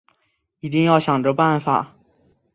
一定要想个办法